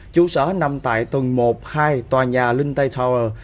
chủ sở nằm tại tầng một hai tòa nhà linh tây tower